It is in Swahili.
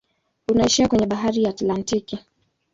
Unaishia kwenye bahari ya Atlantiki.